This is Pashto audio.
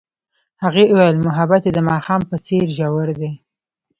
هغې وویل محبت یې د ماښام په څېر ژور دی.